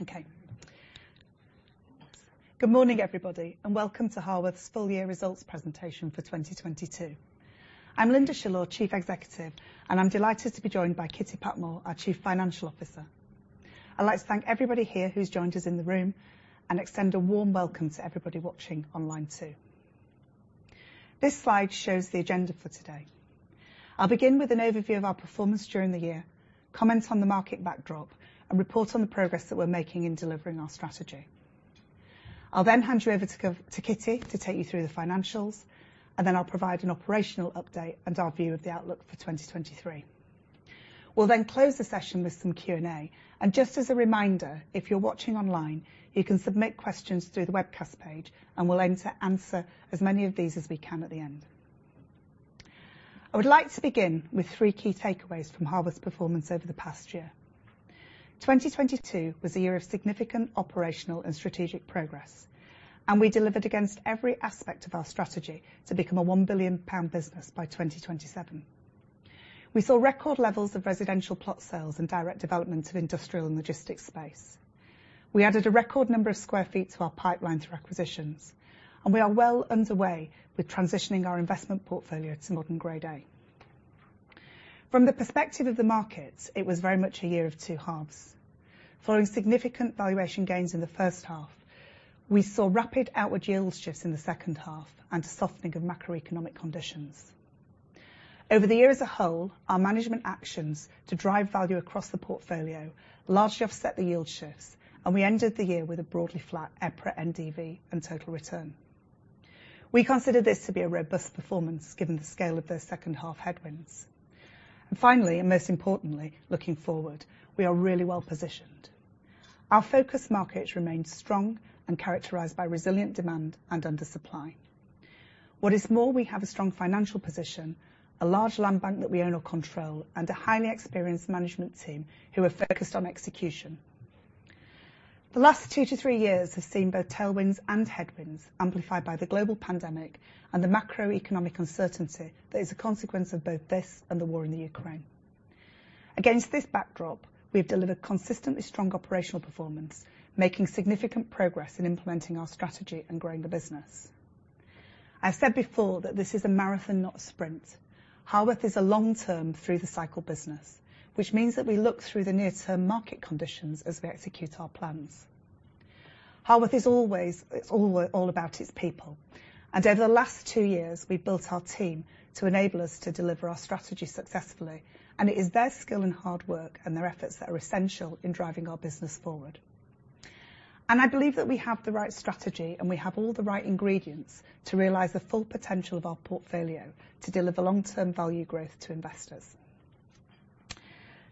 Okay. Good morning, everybody, and welcome to Harworth's Full Year Results Presentation for 2022. I'm Lynda Shillaw, Chief Executive, and I'm delighted to be joined by Kitty Patmore, our Chief Financial Officer. I'd like to thank everybody here who's joined us in the room, and extend a warm welcome to everybody watching online, too. This slide shows the agenda for today. I'll begin with an overview of our performance during the year, comment on the market backdrop, and report on the progress that we're making in delivering our strategy. I'll then hand you over to Kitty to take you through the financials, and then I'll provide an operational update and our view of the outlook for 2023. We'll close the session with some Q&A. Just as a reminder, if you're watching online, you can submit questions through the webcast page, and we'll aim to answer as many of these as we can at the end. I would like to begin with three key takeaways from Harworth's performance over the past year. 2022 was a year of significant operational and strategic progress. We delivered against every aspect of our strategy to become a 1 billion pound business by 2027. We saw record levels of residential plot sales and direct development of industrial and logistics space. We added a record number of sq ft to our pipeline through acquisitions. We are well underway with transitioning our investment portfolio to modern Grade A. From the perspective of the market, it was very much a year of two halves. Following significant valuation gains in the first half, we saw rapid outward yield shifts in the second half and a softening of macroeconomic conditions. Over the year as a whole, our management actions to drive value across the portfolio largely offset the yield shifts, and we ended the year with a broadly flat EPRA NDV and total return. We consider this to be a robust performance, given the scale of those second half headwinds. Finally, and most importantly, looking forward, we are really well-positioned. Our focus markets remain strong and characterized by resilient demand and undersupply. What is more, we have a strong financial position, a large land bank that we own or control, and a highly experienced management team who are focused on execution. The last two to three years has seen both tailwinds and headwinds amplified by the global pandemic and the macroeconomic uncertainty that is a consequence of both this and the war in the Ukraine. Against this backdrop, we've delivered consistently strong operational performance, making significant progress in implementing our strategy and growing the business. I've said before that this is a marathon, not a sprint. Harworth is a long-term through-the-cycle business, which means that we look through the near-term market conditions as we execute our plans. Harworth is always, it's all about its people. Over the last two years, we've built our team to enable us to deliver our strategy successfully, and it is their skill and hard work and their efforts that are essential in driving our business forward. I believe that we have the right strategy, and we have all the right ingredients to realize the full potential of our portfolio to deliver long-term value growth to investors.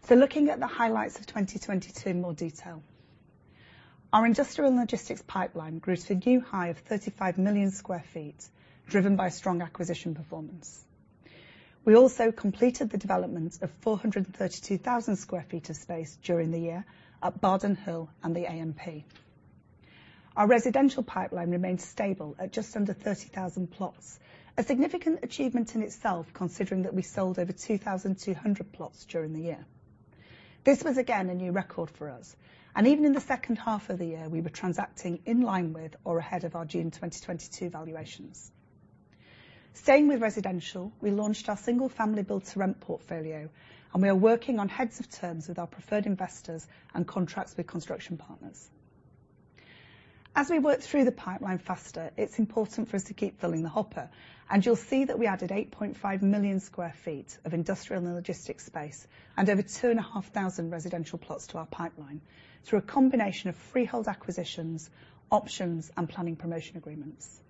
Looking at the highlights of 2022 in more detail. Our industrial and logistics pipeline grew to a new high of 35 million sq ft, driven by strong acquisition performance. We also completed the development of 432,000 sq ft of space during the year at Bardon Hill and The AMP. Our residential pipeline remained stable at just under 30,000 plots. A significant achievement in itself, considering that we sold over 2,200 plots during the year. This was again a new record for us, and even in the second half of the year, we were transacting in line with or ahead of our June 2022 valuations. Staying with residential, we launched our single-family build-to-rent portfolio, and we are working on heads of terms with our preferred investors and contracts with construction partners. As we work through the pipeline faster, it's important for us to keep filling the hopper, and you'll see that we added 8.5 million sq ft of industrial and logistics space and over 2,500 residential plots to our pipeline through a combination of freehold acquisitions, options, and planning promotion agreements.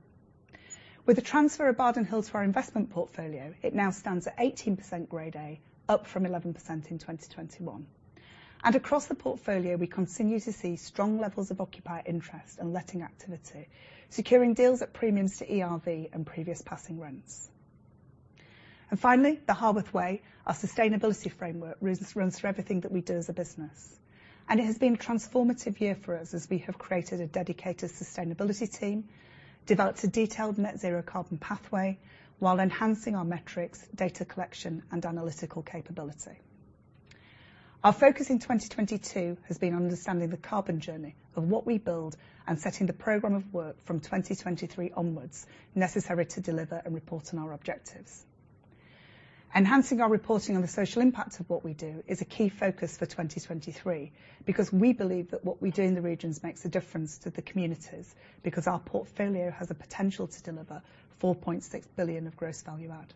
With the transfer of Bardon Hill to our investment portfolio, it now stands at 18% Grade A, up from 11% in 2021. Across the portfolio, we continue to see strong levels of occupier interest and letting activity, securing deals at premiums to ERV and previous passing rents. Finally, The Harworth Way, our sustainability framework, runs through everything that we do as a business. It has been a transformative year for us as we have created a dedicated sustainability team, developed a detailed net zero carbon pathway, while enhancing our metrics, data collection, and analytical capability. Our focus in 2022 has been understanding the carbon journey of what we build and setting the program of work from 2023 onwards necessary to deliver and report on our objectives. Enhancing our reporting on the social impact of what we do is a key focus for 2023, because we believe that what we do in the regions makes a difference to the communities, because our portfolio has a potential to deliver 4.6 billion of gross value added.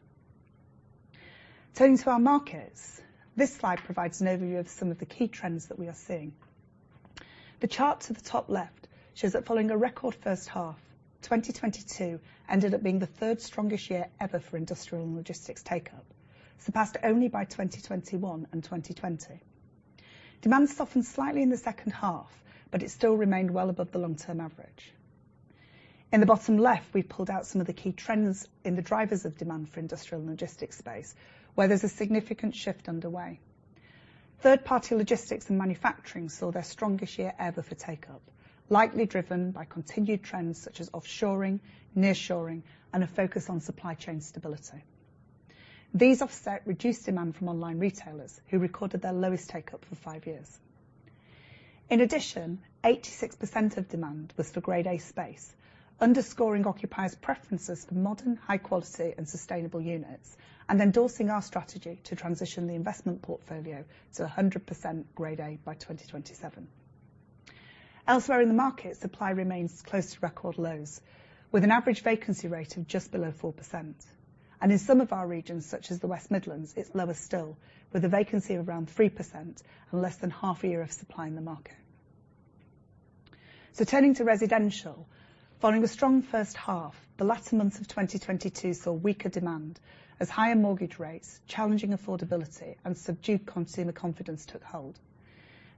Turning to our markets, this slide provides an overview of some of the key trends that we are seeing. The chart to the top left shows that following a record first half, 2022 ended up being the 3rd strongest year ever for industrial and logistics take-up, surpassed only by 2021 and 2020. Demand softened slightly in the second half, but it still remained well above the long-term average. In the bottom left, we pulled out some of the key trends in the drivers of demand for industrial and logistics space, where there's a significant shift underway. Third-party logistics and manufacturing saw their strongest year ever for take-up, lightly driven by continued trends such as offshoring, nearshoring, and a focus on supply chain stability. These offset reduced demand from online retailers who recorded their lowest take-up for 5 years. In addition, 86% of demand was for Grade A space, underscoring occupiers' preferences for modern, high quality, and sustainable units, and endorsing our strategy to transition the investment portfolio to 100% Grade A by 2027. Elsewhere in the market, supply remains close to record lows, with an average vacancy rate of just below 4%. In some of our regions, such as the West Midlands, it's lower still, with a vacancy of around 3% and less than half a year of supply in the market. Turning to residential, following a strong first half, the latter months of 2022 saw weaker demand as higher mortgage rates, challenging affordability, and subdued consumer confidence took hold.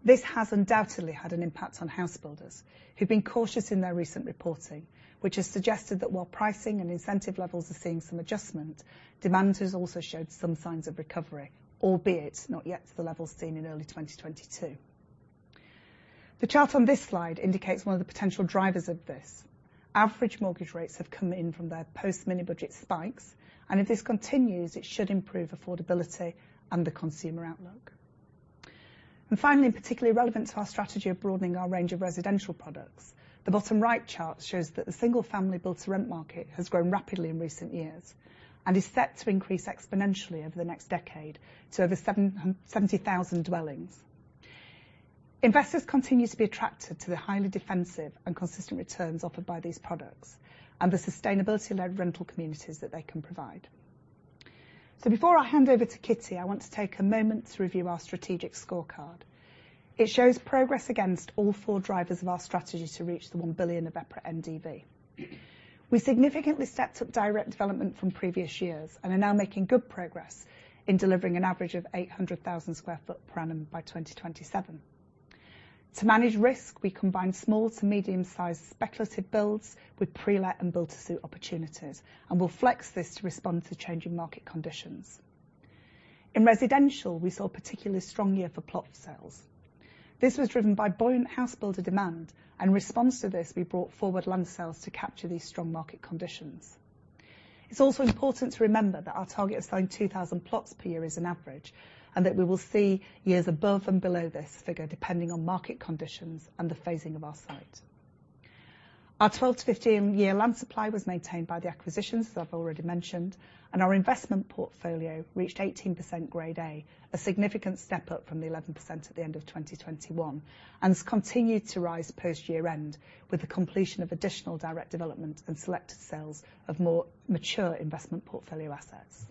This has undoubtedly had an impact on house builders who've been cautious in their recent reporting, which has suggested that while pricing and incentive levels are seeing some adjustment, demand has also showed some signs of recovery, albeit not yet to the levels seen in early 2022. The chart on this slide indicates one of the potential drivers of this. Average mortgage rates have come in from their post-mini budget spikes, and if this continues, it should improve affordability and the consumer outlook. Finally, particularly relevant to our strategy of broadening our range of residential products, the bottom right chart shows that the single-family build-to-rent market has grown rapidly in recent years, and is set to increase exponentially over the next decade to over 70,000 dwellings. Investors continue to be attracted to the highly defensive and consistent returns offered by these products and the sustainability led rental communities that they can provide. Before I hand over to Kitty, I want to take a moment to review our strategic scorecard. It shows progress against all four drivers of our strategy to reach the 1 billion of EPRA NDV. We significantly stepped up direct development from previous years and are now making good progress in delivering an average of 800,000 sq ft per annum by 2027. To manage risk, we combine small to medium-sized speculative builds with pre-let and build-to-suit opportunities, and will flex this to respond to changing market conditions. In residential, we saw a particularly strong year for plot sales. This was driven by buoyant housebuilder demand and response to this, we brought forward land sales to capture these strong market conditions. It's also important to remember that our target of selling 2,000 plots per year is an average, and that we will see years above and below this figure, depending on market conditions and the phasing of our site. Our 12-15 year land supply was maintained by the acquisitions that I've already mentioned, and our investment portfolio reached 18% Grade A, a significant step up from the 11% at the end of 2021, and has continued to rise post-year end with the completion of additional direct development and selected sales of more mature investment portfolio assets.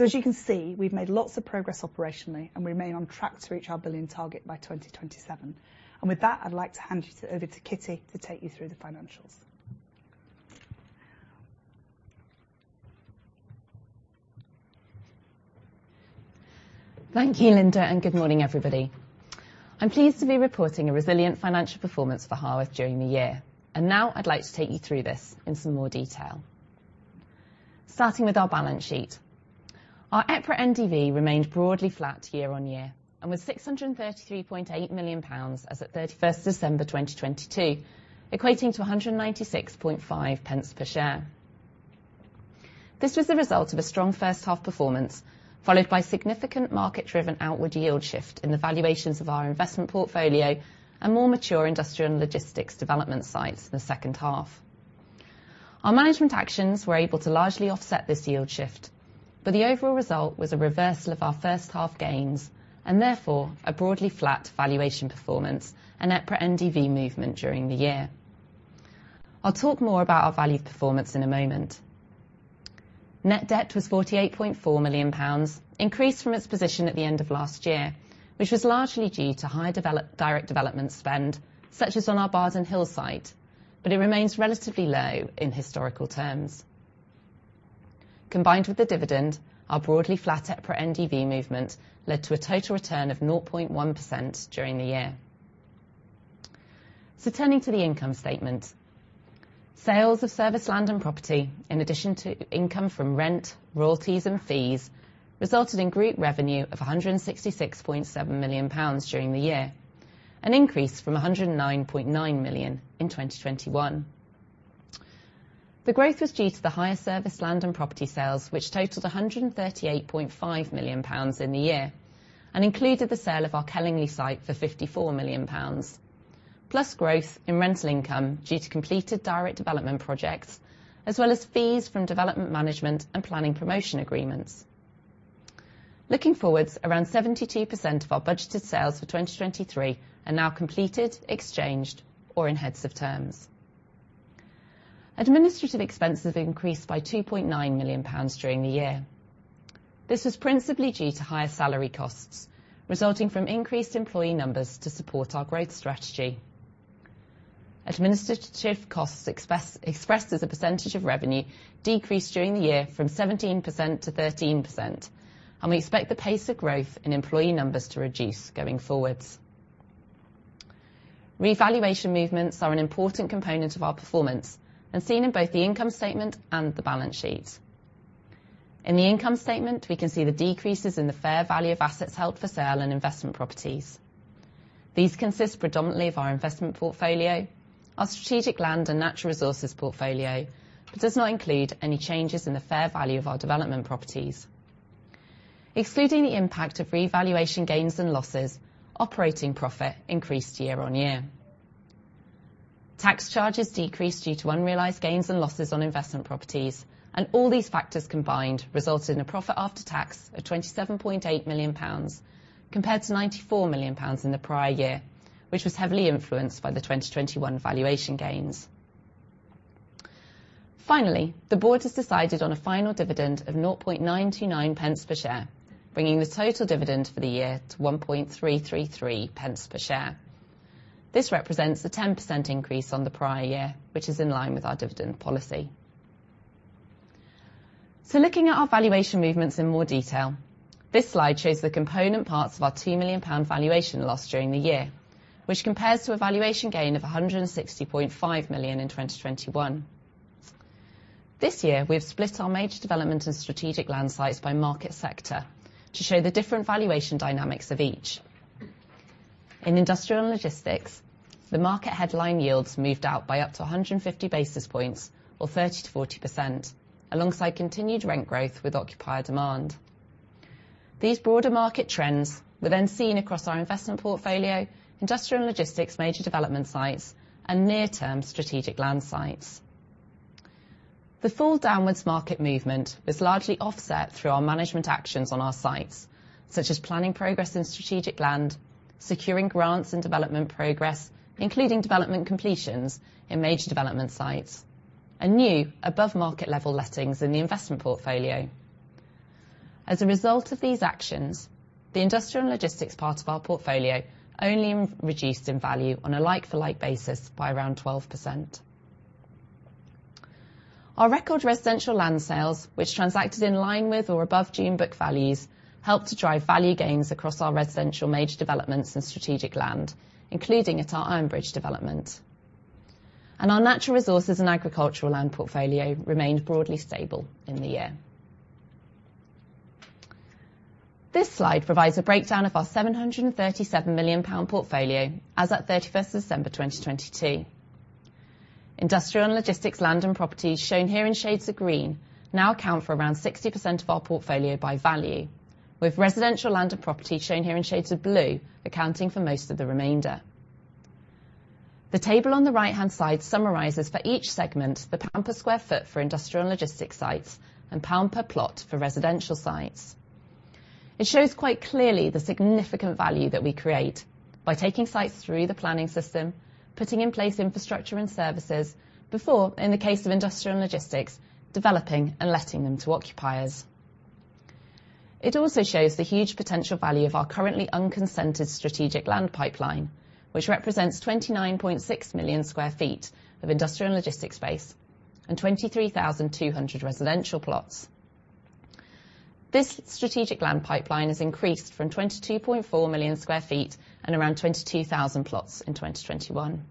As you can see, we've made lots of progress operationally and remain on track to reach our 1 billion target by 2027. With that, I'd like to hand you over to Kitty to take you through the financials. Thank you, Lynda. Good morning, everybody. I'm pleased to be reporting a resilient financial performance for Harworth during the year. Now I'd like to take you through this in some more detail. Starting with our balance sheet. Our EPRA NDV remained broadly flat year-on-year and was 633.8 million pounds as at 31st December 2022, equating to 1.965 per share. This was the result of a strong first half performance, followed by significant market-driven outward yield shift in the valuations of our investment portfolio and more mature industrial and logistics development sites in the second half. Our management actions were able to largely offset this yield shift. The overall result was a reversal of our first half gains and therefore a broadly flat valuation performance and EPRA NDV movement during the year. I'll talk more about our value performance in a moment. Net debt was 48.4 million pounds, increased from its position at the end of last year, which was largely due to high direct development spend, such as on our Bardon Hill site. It remains relatively low in historical terms. Combined with the dividend, our broadly flat EPRA NDV movement led to a total return of 0.1% during the year. Turning to the income statement. Sales of serviced land and property, in addition to income from rent, royalties, and fees, resulted in group revenue of GBP 166.7 million during the year, an increase from GBP 109.9 million in 2021. The growth was due to the higher serviced land and property sales, which totaled 138.5 million pounds in the year and included the sale of our Kellingley site for 54 million pounds, plus growth in rental income due to completed direct development projects, as well as fees from development, management, and planning promotion agreements. Looking forwards, around 72% of our budgeted sales for 2023 are now completed, exchanged, or in heads of terms. Administrative expenses increased by 2.9 million pounds during the year. This was principally due to higher salary costs, resulting from increased employee numbers to support our growth strategy. Administrative costs expressed as a percentage of revenue decreased during the year from 17% to 13%, and we expect the pace of growth in employee numbers to reduce going forward. Revaluation movements are an important component of our performance and seen in both the income statement and the balance sheet. In the income statement, we can see the decreases in the fair value of assets held for sale in investment properties. These consist predominantly of our investment portfolio, our strategic land and natural resources portfolio, but does not include any changes in the fair value of our development properties. Excluding the impact of revaluation gains and losses, operating profit increased year on year. Tax charges decreased due to unrealized gains and losses on investment properties. All these factors combined resulted in a profit after tax of 27.8 million pounds, compared to 94 million pounds in the prior year, which was heavily influenced by the 2021 valuation gains. The board has decided on a final dividend of 0.929 pence per share, bringing the total dividend for the year to 1.333 pence per share. This represents a 10% increase on the prior year, which is in line with our dividend policy. Looking at our valuation movements in more detail, this slide shows the component parts of our 2 million pound valuation loss during the year, which compares to a valuation gain of 160.5 million in 2021. This year, we have split our major development and strategic land sites by market sector to show the different valuation dynamics of each. In industrial and logistics, the market headline yields moved out by up to 150 basis points or 30%-40%, alongside continued rent growth with occupier demand. These broader market trends were seen across our investment portfolio, industrial and logistics major development sites, and near-term strategic land sites. The full downward market movement was largely offset through our management actions on our sites, such as planning progress in strategic land, securing grants and development progress, including development completions in major development sites, and new above-market-level lettings in the investment portfolio. As a result of these actions, the industrial and logistics part of our portfolio only reduced in value on a like-for-like basis by around 12%. Our record residential land sales, which transacted in line with or above June book values, helped to drive value gains across our residential major developments in strategic land, including at our Ironbridge development. Our natural resources and agricultural land portfolio remained broadly stable in the year. This slide provides a breakdown of our 737 million pound portfolio as at 31st December, 2022. Industrial and logistics land and properties, shown here in shades of green, now account for around 60% of our portfolio by value, with residential land and property, shown here in shades of blue, accounting for most of the remainder. The table on the right-hand side summarizes for each segment the GBP per sq ft for industrial and logistics sites and GBP per plot for residential sites. It shows quite clearly the significant value that we create by taking sites through the planning system, putting in place infrastructure and services, before, in the case of industrial and logistics, developing and letting them to occupiers. It also shows the huge potential value of our currently unconsented strategic land pipeline, which represents 29.6 million sq ft of industrial and logistics space and 23,200 residential plots. This strategic land pipeline has increased from 22.4 million sq ft and around 22,000 plots in 2021.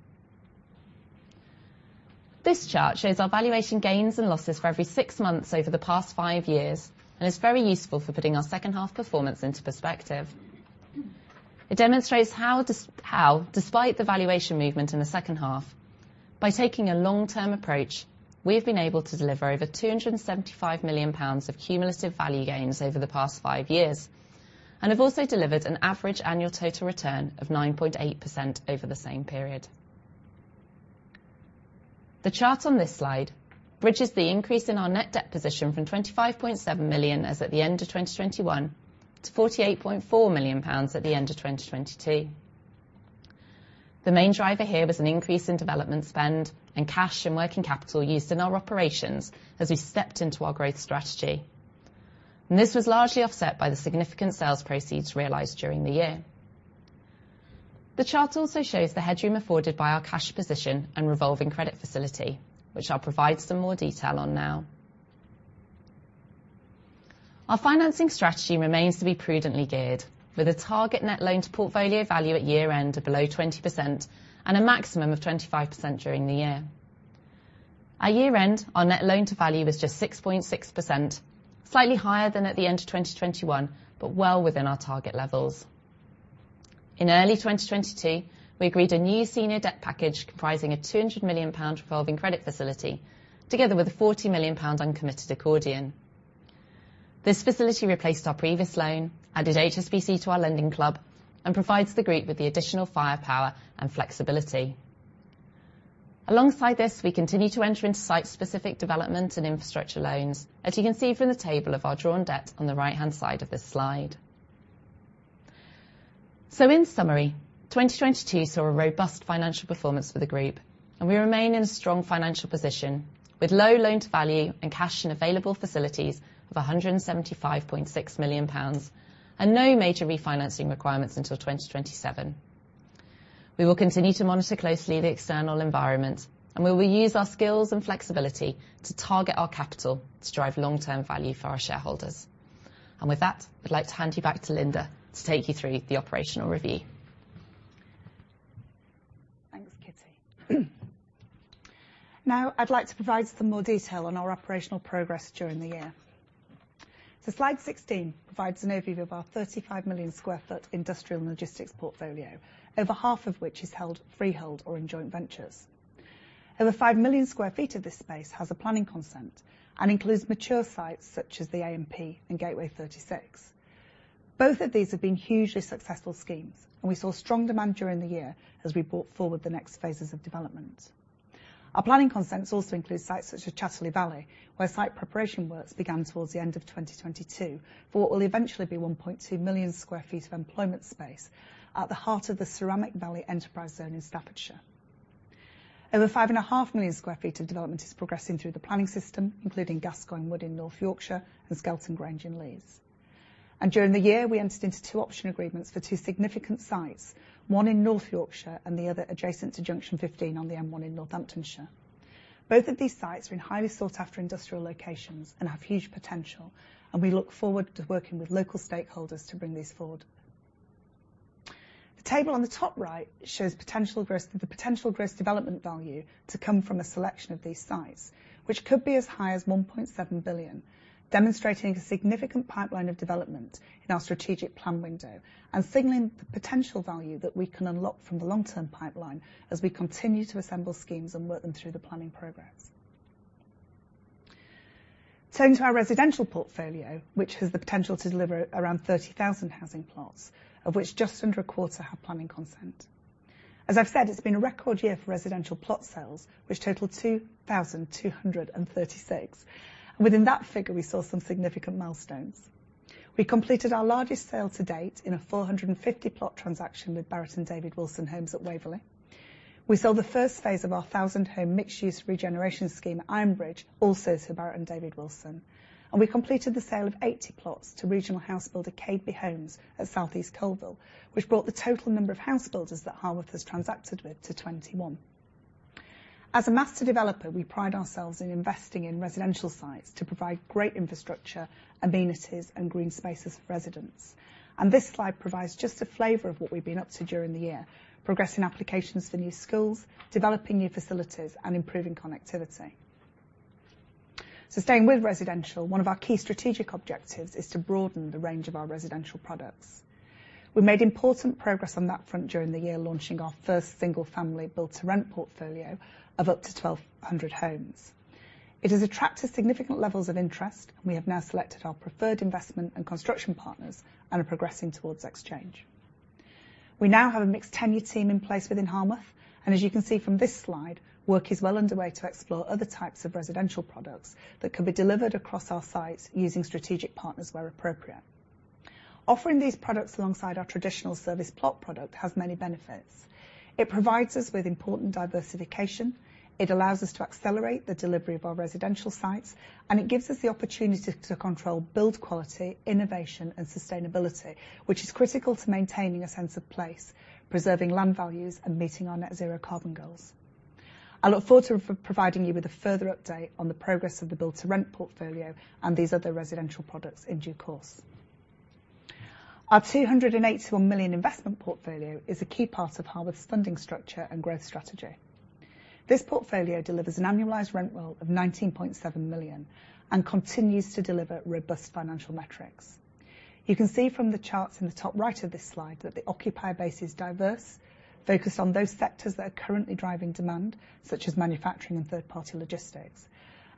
This chart shows our valuation gains and losses for every six months over the past five years and is very useful for putting our second half performance into perspective. It demonstrates how, despite the valuation movement in the second half, by taking a long-term approach, we have been able to deliver over 275 million pounds of cumulative value gains over the past five years and have also delivered an average annual total return of 9.8% over the same period. The chart on this slide bridges the increase in our net debt position from 25.7 million as at the end of 2021 to 48.4 million pounds at the end of 2022. The main driver here was an increase in development spend and cash and working capital used in our operations as we stepped into our growth strategy. This was largely offset by the significant sales proceeds realized during the year. The chart also shows the headroom afforded by our cash position and revolving credit facility, which I'll provide some more detail on now. Our financing strategy remains to be prudently geared, with a target net loan to portfolio value at year end of below 20% and a maximum of 25% during the year. At year end, our net loan to value was just 6.6%, slightly higher than at the end of 2021, but well within our target levels. In early 2022, we agreed a new senior debt package comprising a 200 million pound revolving credit facility, together with a 40 million pound uncommitted accordion. This facility replaced our previous loan, added HSBC to our lending club, and provides the group with the additional firepower and flexibility. Alongside this, we continue to enter into site-specific development and infrastructure loans, as you can see from the table of our drawn debt on the right-hand side of this slide. In summary, 2022 saw a robust financial performance for the group, and we remain in a strong financial position, with low loan to value and cash and available facilities of 175.6 million pounds and no major refinancing requirements until 2027. We will continue to monitor closely the external environment, and we will use our skills and flexibility to target our capital to drive long-term value for our shareholders. With that, I'd like to hand you back to Lynda to take you through the operational review. Now, I'd like to provide some more detail on our operational progress during the year. Slide 16 provides an overview of our 35 million sq ft industrial logistics portfolio, over half of which is held freehold or in joint ventures. Over 5 million sq ft of this space has a planning consent and includes mature sites such as the AMP and Gateway 36. Both of these have been hugely successful schemes, we saw strong demand during the year as we brought forward the next phases of development. Our planning consents also include sites such as Chatterley Valley, where site preparation works began towards the end of 2022 for what will eventually be 1.2 million sq ft of employment space at the heart of the Ceramic Valley Enterprise Zone in Staffordshire. Over five and a half million square feet of development is progressing through the planning system, including Gascoigne Wood in North Yorkshire and Skelton Grange in Leeds. During the year, we entered into two option agreements for two significant sites, one in North Yorkshire and the other adjacent to Junction 15 on the M1 in Northamptonshire. Both of these sites are in highly sought-after industrial locations and have huge potential. We look forward to working with local stakeholders to bring these forward. The table on the top right shows the potential gross development value to come from a selection of these sites, which could be as high as 1.7 billion, demonstrating a significant pipeline of development in our strategic plan window and signaling the potential value that we can unlock from the long-term pipeline as we continue to assemble schemes and work them through the planning progress. Turning to our residential portfolio, which has the potential to deliver around 30,000 housing plots, of which just under a quarter have planning consent. As I've said, it's been a record year for residential plot sales, which totaled 2,236. Within that figure, we saw some significant milestones. We completed our largest sale to date in a 450 plot transaction with Barratt and David Wilson Homes at Waverley. We sold the first phase of our 1,000-home mixed-use regeneration scheme at Ironbridge, also to Barratt and David Wilson. We completed the sale of 80 plots to regional house builder Cadeby Homes at South East Coalville, which brought the total number of house builders that Harworth has transacted with to 21. As a master developer, we pride ourselves in investing in residential sites to provide great infrastructure, amenities, and green spaces for residents. This slide provides just a flavor of what we've been up to during the year, progressing applications for new schools, developing new facilities, and improving connectivity. Staying with residential, one of our key strategic objectives is to broaden the range of our residential products. We made important progress on that front during the year, launching our first single-family built-to-rent portfolio of up to 1,200 homes. It has attracted significant levels of interest, and we have now selected our preferred investment and construction partners and are progressing towards exchange. We now have a mixed-tenure team in place within Harworth, and as you can see from this slide, work is well underway to explore other types of residential products that could be delivered across our sites using strategic partners where appropriate. Offering these products alongside our traditional service plot product has many benefits. It provides us with important diversification, it allows us to accelerate the delivery of our residential sites, and it gives us the opportunity to control build quality, innovation, and sustainability, which is critical to maintaining a sense of place, preserving land values, and meeting our net zero carbon goals. I look forward to providing you with a further update on the progress of the build-to-rent portfolio and these other residential products in due course. Our 281 million investment portfolio is a key part of Harworth's funding structure and growth strategy. This portfolio delivers an annualized rent roll of 19.7 million and continues to deliver robust financial metrics. You can see from the charts in the top right of this slide that the occupier base is diverse, focused on those sectors that are currently driving demand, such as manufacturing and third-party logistics.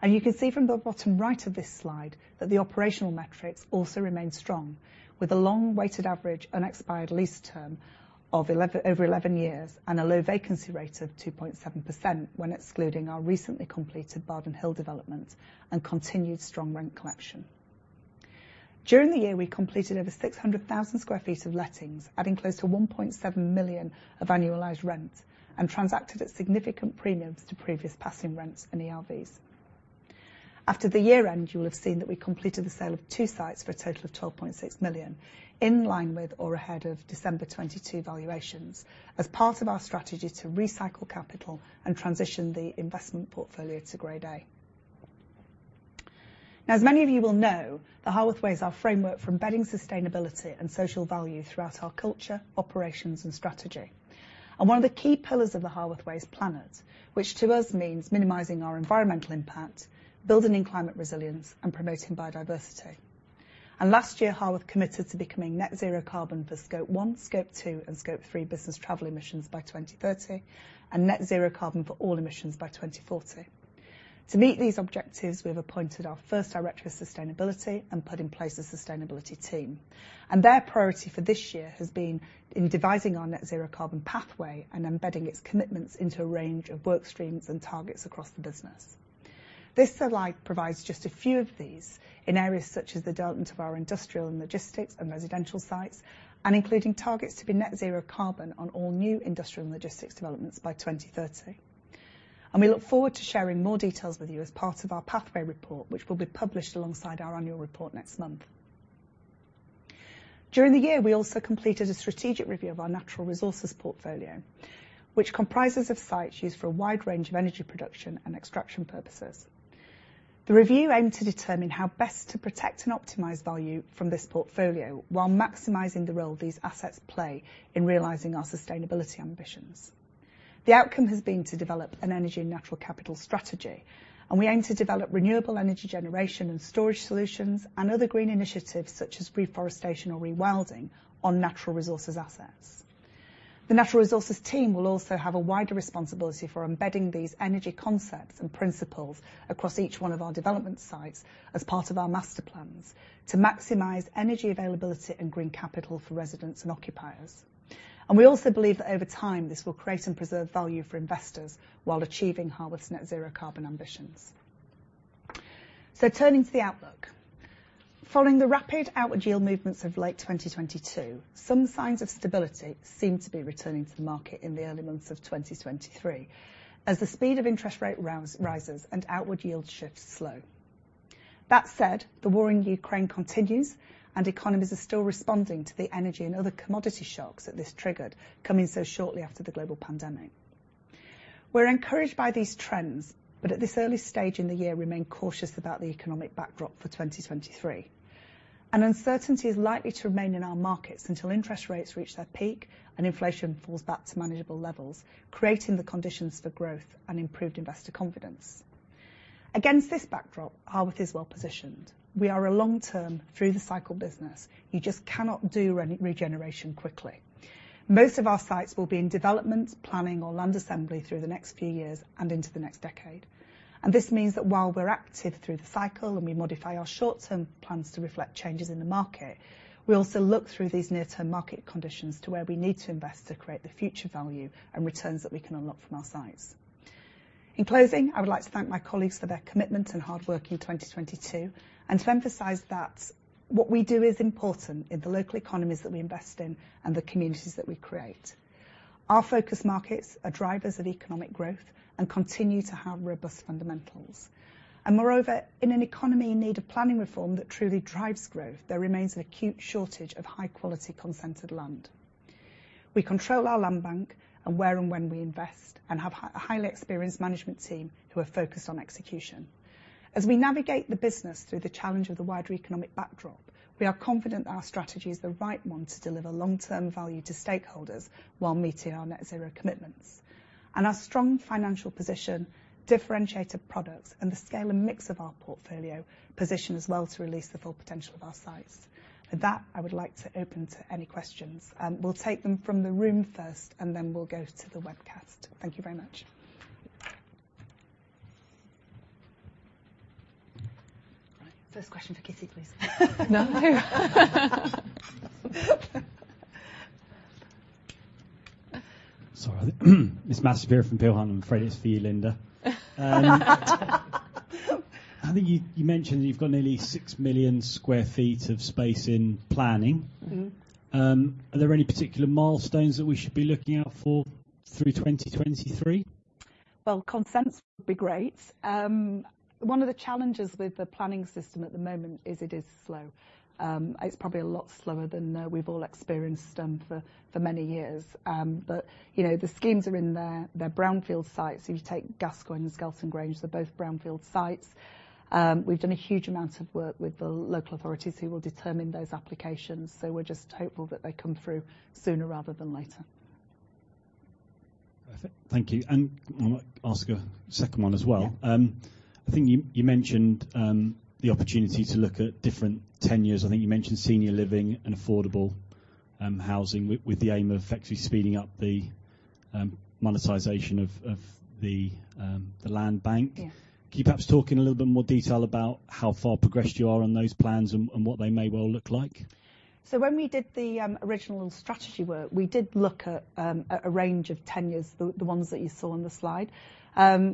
You can see from the bottom right of this slide that the operational metrics also remain strong, with a long weighted average unexpired lease term of over 11 years and a low vacancy rate of 2.7% when excluding our recently completed Bardon Hill development and continued strong rent collection. During the year, we completed over 600,000 sq ft of lettings, adding close to 1.7 million of annualized rent and transacted at significant premiums to previous passing rents and ERVs. After the year-end, you will have seen that we completed the sale of two sites for a total of 12.6 million, in line with or ahead of December 22 valuations as part of our strategy to recycle capital and transition the investment portfolio to Grade A. As many of you will know, The Harworth Way is our framework for embedding sustainability and social value throughout our culture, operations, and strategy. One of the key pillars of The Harworth Way is planet, which to us means minimizing our environmental impact, building in climate resilience, and promoting biodiversity. Last year, Harworth committed to becoming net zero carbon for Scope 1, Scope 2, and Scope 3 business travel emissions by 2030 and net zero carbon for all emissions by 2040. To meet these objectives, we have appointed our first Director of Sustainability and put in place a sustainability team. Their priority for this year has been in devising our net zero carbon pathway and embedding its commitments into a range of work streams and targets across the business. This slide provides just a few of these in areas such as the development of our industrial and logistics and residential sites, and including targets to be net zero carbon on all new industrial and logistics developments by 2030. We look forward to sharing more details with you as part of our pathway report, which will be published alongside our annual report next month. During the year, we also completed a strategic review of our natural resources portfolio, which comprises of sites used for a wide range of energy production and extraction purposes. The review aimed to determine how best to protect and optimize value from this portfolio while maximizing the role these assets play in realizing our sustainability ambitions. The outcome has been to develop an energy and natural capital strategy. We aim to develop renewable energy generation and storage solutions and other green initiatives such as reforestation or rewilding on natural resources assets. The natural resources team will also have a wider responsibility for embedding these energy concepts and principles across each one of our development sites as part of our master plans to maximize energy availability and green capital for residents and occupiers. We also believe that over time, this will create and preserve value for investors while achieving Harworth's net zero carbon ambitions. Turning to the outlook. Following the rapid outward yield movements of late 2022, some signs of stability seem to be returning to the market in the early months of 2023 as the speed of interest rate rises and outward yield shifts slow. That said, the war in Ukraine continues, and economies are still responding to the energy and other commodity shocks that this triggered, coming so shortly after the global pandemic. We're encouraged by these trends, but at this early stage in the year, remain cautious about the economic backdrop for 2023. Uncertainty is likely to remain in our markets until interest rates reach their peak and inflation falls back to manageable levels, creating the conditions for growth and improved investor confidence. Against this backdrop, Harworth is well positioned. We are a long-term, through-the-cycle business. You just cannot do regeneration quickly. Most of our sites will be in development, planning, or land assembly through the next few years and into the next decade. This means that while we're active through the cycle and we modify our short-term plans to reflect changes in the market, we also look through these near-term market conditions to where we need to invest to create the future value and returns that we can unlock from our sites. In closing, I would like to thank my colleagues for their commitment and hard work in 2022, and to emphasize that what we do is important in the local economies that we invest in and the communities that we create. Our focus markets are drivers of economic growth and continue to have robust fundamentals. Moreover, in an economy in need of planning reform that truly drives growth, there remains an acute shortage of high-quality, consented land. We control our land bank and where and when we invest, and have a highly experienced management team who are focused on execution. As we navigate the business through the challenge of the wider economic backdrop, we are confident that our strategy is the right one to deliver long-term value to stakeholders while meeting our net zero commitments. Our strong financial position, differentiated products, and the scale and mix of our portfolio position as well to release the full potential of our sites. With that, I would like to open to any questions. We'll take them from the room first, and then we'll go to the webcast. Thank you very much. All right, first question for Kitty, please. No. Sorry. It's Matthew Saperia from Peel Hunt. I'm afraid it's for you, Lynda. I think you mentioned that you've got nearly 6 million sq ft of space in planning. Mm-hmm. Are there any particular milestones that we should be looking out for through 2023? Well, consents would be great. One of the challenges with the planning system at the moment is it is slow. It's probably a lot slower than we've all experienced for many years. You know, the schemes are in their brownfield sites. If you take Gascoigne and Skelton Grange, they're both brownfield sites. We've done a huge amount of work with the local authorities who will determine those applications. We're just hopeful that they come through sooner rather than later. Perfect. Thank you. I might ask a second one as well. Yeah. I think you mentioned the opportunity to look at different tenures. I think you mentioned senior living and affordable housing with the aim of effectively speeding up the monetization of the land bank. Yeah. Can you perhaps talk in a little bit more detail about how far progressed you are on those plans and what they may well look like? When we did the original strategy work, we did look at a range of tenures, the ones that you saw on the slide.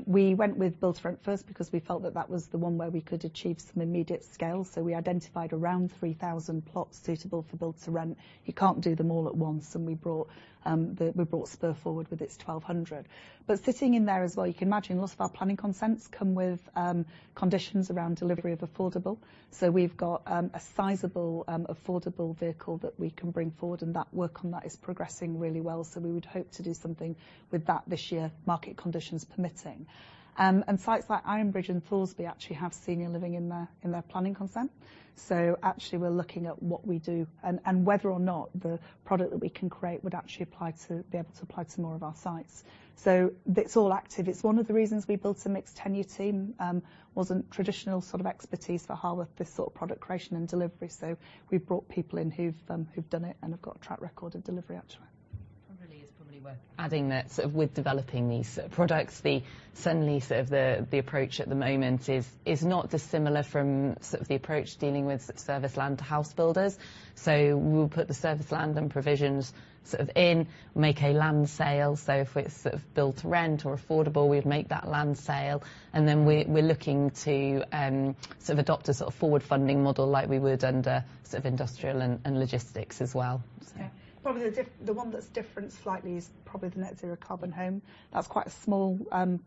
We went with build-to-rent first because we felt that that was the one where we could achieve some immediate scale. We identified around 3,000 plots suitable for build-to-rent. You can't do them all at once, and we brought Spur forward with its 1,200. Sitting in there as well, you can imagine a lot of our planning consents come with conditions around delivery of affordable. We've got a sizable affordable vehicle that we can bring forward, and that work on that is progressing really well, we would hope to do something with that this year, market conditions permitting. Sites like Ironbridge and Thoresby actually have senior living in their, in their planning consent. Actually, we're looking at what we do and whether or not the product that we can create would actually apply to, be able to apply to more of our sites. It's all active. It's one of the reasons we built a mixed tenure team, wasn't traditional sort of expertise for Harworth, this sort of product creation and delivery, so we've brought people in who've done it and have got a track record of delivery actually. Probably is probably worth adding that sort of with developing these products, the certainly sort of the approach at the moment is not dissimilar from sort of the approach dealing with service land to house builders. We'll put the service land and provisions sort of in, make a land sale. If it's sort of build-to-rent or affordable, we'd make that land sale, and then we're looking to sort of adopt a sort of forward funding model like we would under sort of industrial and logistics as well. Yeah. Probably the one that's different slightly is probably the net zero carbon home. That's quite a small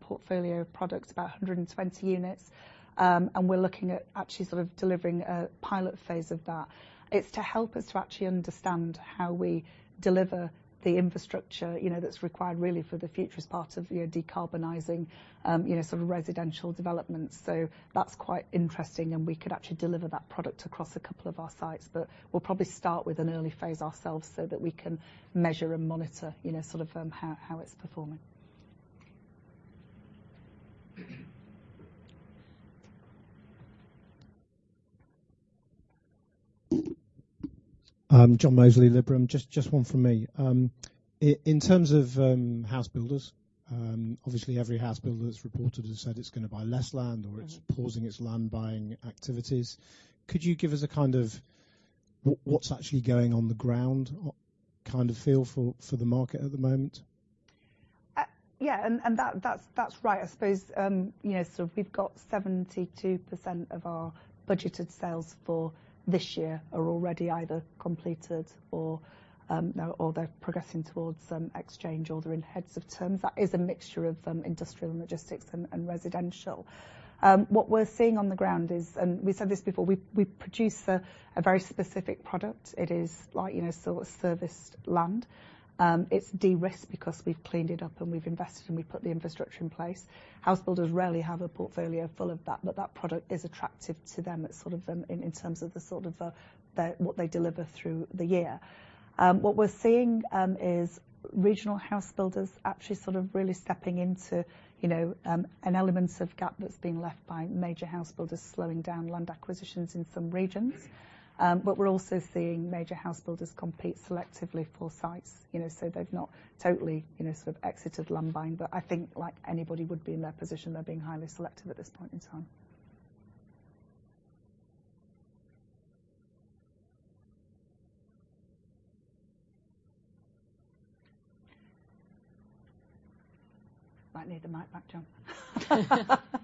portfolio of products, about 120 units. We're looking at actually sort of delivering a pilot phase of that. It's to help us to actually understand how we deliver the infrastructure, you know, that's required really for the future as part of, you know, decarbonizing, you know, sort of residential developments. That's quite interesting, and we could actually deliver that product across a couple of our sites. We'll probably start with an early phase ourselves so that we can measure and monitor, you know, sort of how it's performing. John Mozley, Liberum. Just one from me. In terms of house builders, obviously every house builder that's reported has said it's gonna buy less land... Mm-hmm. It's pausing its land buying activities. Could you give us a kind of what's actually going on the ground kind of feel for the market at the moment? Yeah. That's right. I suppose, you know, sort of we've got 72% of our budgeted sales for this year are already either completed or they're progressing towards an exchange or they're in heads of terms. That is a mixture of industrial logistics and residential. What we're seeing on the ground is, and we said this before, we produce a very specific product. It is like, you know, sort of serviced land. It's de-risked because we've cleaned it up and we've invested and we've put the infrastructure in place. House builders rarely have a portfolio full of that, but that product is attractive to them. It's sort of, in terms of the sort of, what they deliver through the year. What we're seeing, is regional house builders actually sort of really stepping into, you know, an element of gap that's been left by major house builders slowing down land acquisitions in some regions. We're also seeing major house builders compete selectively for sites. You know, so they've not totally, you know, sort of exited land buying. I think like anybody would be in their position, they're being highly selective at this point in time. Might need the mic back, Jon.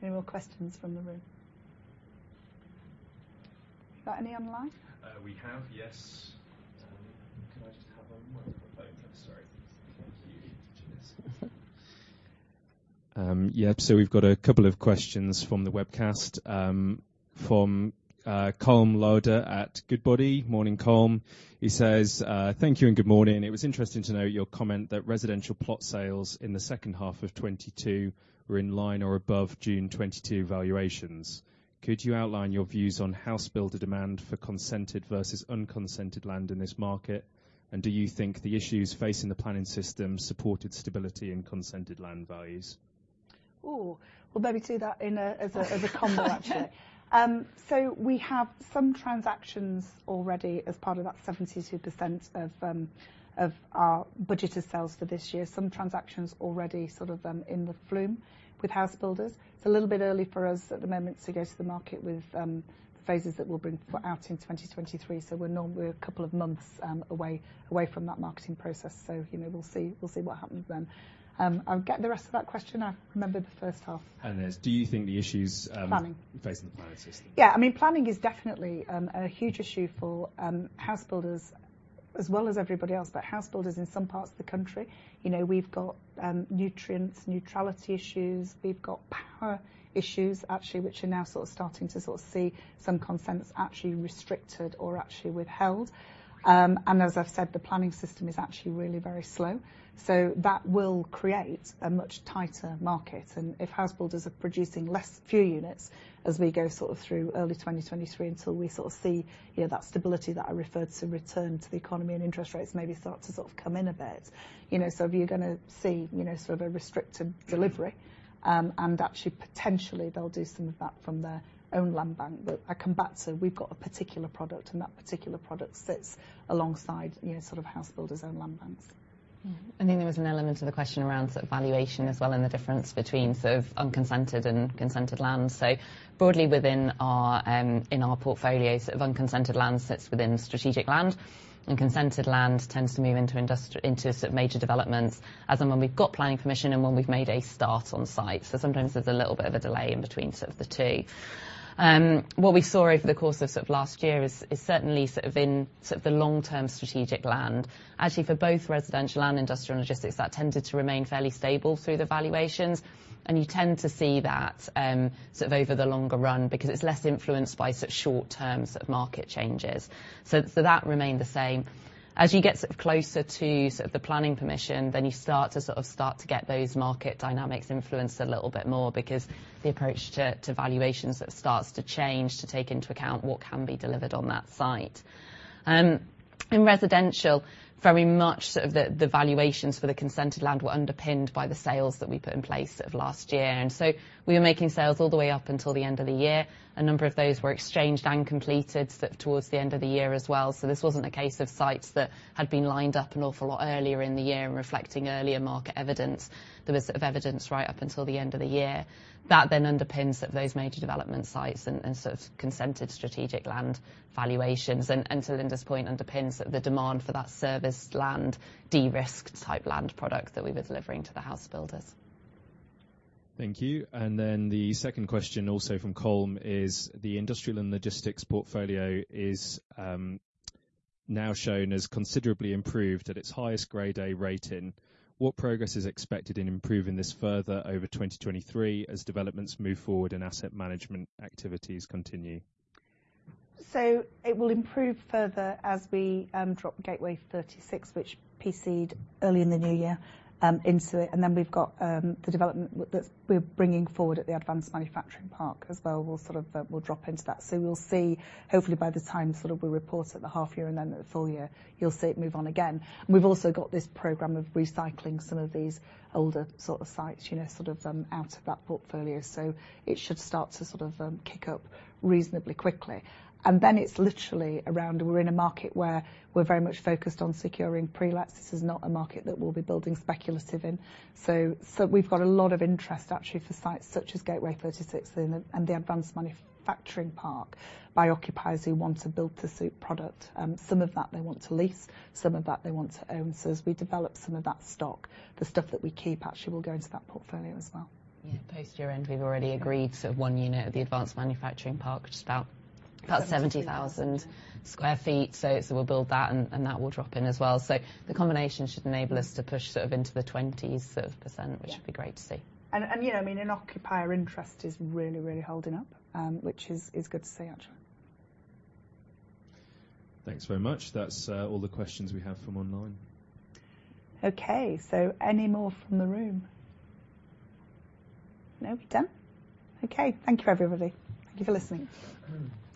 Any more questions from the room? Got any online? We have, yes. Can I just have a microphone please? Sorry. Thank you. Janice. We've got a couple of questions from the webcast, from Colm Lauder at Goodbody. Morning, Colm. He says, "Thank you and good morning. It was interesting to note your comment that residential plot sales in the second half of 2022 were in line or above June 2022 valuations. Could you outline your views on house builder demand for consented versus unconsented land in this market? Do you think the issues facing the planning system supported stability in consented land values? Ooh. We'll maybe do that in a as a combo, actually. We have some transactions already as part of that 72% of our budgeted sales for this year. Some transactions already sort of, in the flume with house builders. It's a little bit early for us at the moment to go to the market with phases that we'll bring out in 2023, we're a couple of months away from that marketing process. You know, we'll see what happens then. I get the rest of that question? I remember the first half. it is do you think the issues? Planning facing the planning system? Yeah. I mean, planning is definitely a huge issue for house builders as well as everybody else. House builders in some parts of the country, you know, we've got Nutrient Neutrality issues. We've got power issues, actually, which are now sort of starting to see some consents actually restricted or actually withheld. As I've said, the planning system is actually really very slow. That will create a much tighter market. If house builders are producing fewer units as we go sort of through early 2023 until we sort of see, you know, that stability that I referred to return to the economy and interest rates maybe start to come in a bit. You're gonna see, you know, sort of a restricted delivery. Actually potentially they'll do some of that from their own land bank. I come back to we've got a particular product, and that particular product sits alongside, you know, sort of house builders' own land banks. Mm-hmm. I think there was an element to the question around sort of valuation as well and the difference between sort of unconsented and consented land. Broadly within our in our portfolio, sort of unconsented land sits within strategic land, and consented land tends to move into sort of major developments as and when we've got planning permission and when we've made a start on site. Sometimes there's a little bit of a delay in between sort of the two. What we saw over the course of sort of last year is certainly sort of in sort of the long-term strategic land. Actually, for both residential and industrial and logistics, that tended to remain fairly stable through the valuations, and you tend to see that sort of over the longer run because it's less influenced by sort of short-term sort of market changes. That remained the same. As you get sort of closer to the planning permission, then you start to get those market dynamics influenced a little bit more because the approach to valuations starts to change to take into account what can be delivered on that site. In residential, very much sort of the valuations for the consented land were underpinned by the sales that we put in place sort of last year. We were making sales all the way up until the end of the year. A number of those were exchanged and completed sort of towards the end of the year as well. This wasn't a case of sites that had been lined up an awful lot earlier in the year and reflecting earlier market evidence. There was sort of evidence right up until the end of the year. That underpins sort of those major development sites and sort of consented strategic land valuations. To Lynda's point, underpins the demand for that serviced land, de-risked type land product that we've been delivering to the house builders. Thank you. Then the second question, also from Colm, is the industrial and logistics portfolio is now shown as considerably improved at its highest Grade A rating. What progress is expected in improving this further over 2023 as developments move forward and asset management activities continue? It will improve further as we drop Gateway 36, which PC'd early in the new year, into it. We've got the development that we're bringing forward at the advanced manufacturing park as well. We'll drop into that. We'll see hopefully by the time we report at the half year and then at the full year, you'll see it move on again. We've also got this program of recycling some of these older sites, you know, out of that portfolio. It should start to kick up reasonably quickly. It's literally around we're in a market where we're very much focused on securing pre-lets. This is not a market that we'll be building speculative in. We've got a lot of interest actually for sites such as Gateway 36 and the, and the advanced manufacturing park by occupiers who want to build-to-suit product. Some of that they want to lease, some of that they want to own. As we develop some of that stock, the stuff that we keep actually will go into that portfolio as well. Yeah. Post year-end, we've already agreed sort of one unit at the Advanced Manufacturing Park, just about 70,000 sq ft. We'll build that and that will drop in as well. The combination should enable us to push sort of into the 20s sort of %. Yeah. which would be great to see. You know, I mean, and occupier interest is really holding up, which is good to see actually. Thanks very much. That's all the questions we have from online. Okay. Any more from the room? No? We done? Okay. Thank you, everybody. Thank you for listening. Mm-hmm.